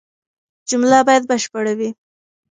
جمله بايد بشپړه وي.